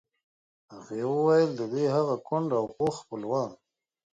هغې وویل د دوی هغه کونډ او پوخ خپلوان.